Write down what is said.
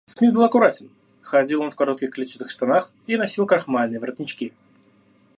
Смит был аккуратен; ходил он в коротких клетчатых штанах и носил крахмальные воротнички.